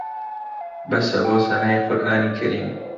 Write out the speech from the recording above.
بەسە بۆ سەنای قورئانی کەریم